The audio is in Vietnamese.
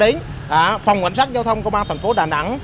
đến phòng cảnh sát giao thông công an thành phố đà nẵng